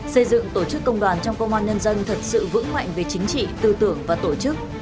xây dựng tổ chức công đoàn trong công an nhân dân thật sự vững mạnh về chính trị tư tưởng và tổ chức